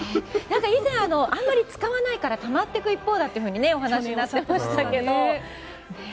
以前あんまり使わないからたまっていく一方だとお話しになっていましたけど。